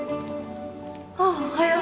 あっおはよう。